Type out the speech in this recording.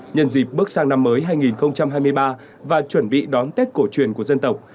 nhân dịp bước sang năm mới hai nghìn hai mươi ba và chuẩn bị đón tết cổ truyền của dân tộc